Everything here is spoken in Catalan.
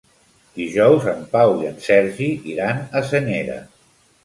Dijous en Pau i en Sergi iran a Senyera.